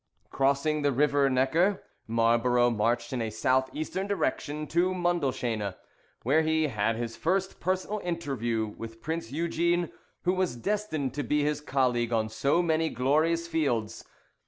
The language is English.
[Coxe.] Crossing the river Neckar, Marlborough marched in a south eastern direction to Mundelshene, where he had his first personal interview with Prince Eugene, who was destined to be his colleague on so many glorious fields.